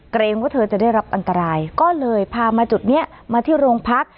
เกรงว่าเธอจะได้รับอันตรายก็เลยพามาจุดนี้มาที่โรงพัก